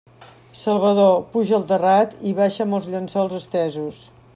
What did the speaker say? Salvador, puja al terrat i baixa'm els llençols estesos!